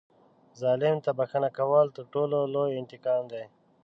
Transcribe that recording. ظالم ته بښنه کول تر ټولو لوی انتقام دی.